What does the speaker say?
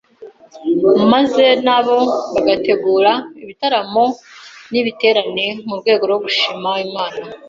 maze nabo bagategura ibitaramo n’ibiterane mu rwego rwo gushimira Imana